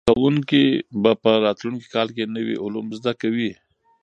زده کوونکي به په راتلونکي کال کې نوي علوم زده کوي.